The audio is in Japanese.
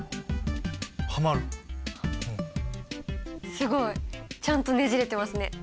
すごい！ちゃんとねじれてますね。